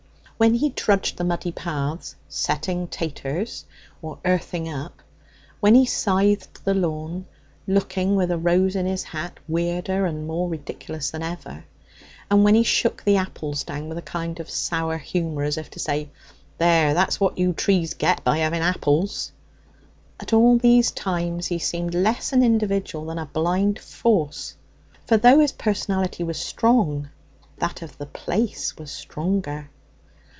When he trudged the muddy paths, 'setting taters' or earthing up; when he scythed the lawn, looking, with a rose in his hat, weirder and more ridiculous than ever; and when he shook the apples down with a kind of sour humour, as if to say, 'There! that's what you trees get by having apples!' at all these times he seemed less an individual than a blind force. For though his personality was strong, that of the place was stronger.